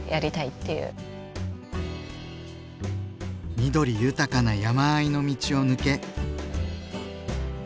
緑豊かな山あいの道を抜け。